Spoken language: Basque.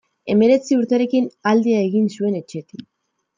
Hemeretzi urterekin alde egin zuen etxetik.